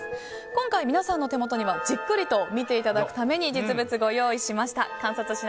今回、皆さんの手元にはじっくりと見ていただくために実物をご用意しました。